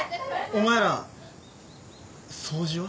お前ら掃除は？